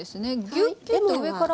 ぎゅっぎゅっと上から。